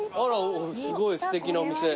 すごいすてきなお店。